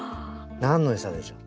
何のエサでしょう？